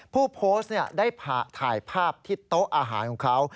ผู้โพสต์ได้ถ่ายภาพที่โต๊ะอาหารของเขา